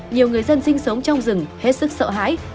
nhiều người dân sinh sống trong rừng hết sức sợ hãi